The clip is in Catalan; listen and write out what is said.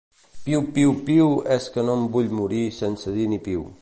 Piu piu piu és que no em vull morir sense dir ni piu